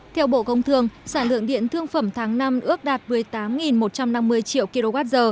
theo bộ công thương sản lượng điện thương phẩm tháng năm ước đạt một mươi tám một trăm năm mươi triệu kwh